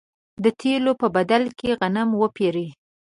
د تېلو په بدل کې غنم وپېري.